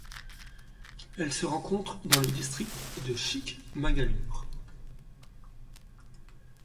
Elle se rencontre dans le district de Chikmagalur.